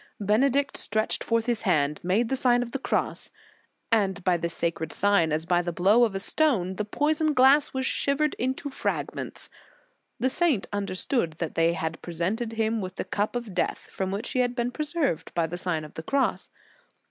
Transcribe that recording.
Benedict stretched forth his hand, made the Sign of the Cross, and by this sacred sign, as by the blow of a stone, the poisoned glass was shivered into fragments. The saint understood that they had presented him with the cup of death, from which he had been preserved by the Sign of the Cross.